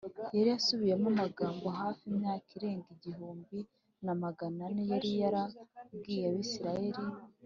” Yari asubiyemo amagambo, hafi imyaka irenga igihumbi na magana ane yari yarabwiye Abisiraheli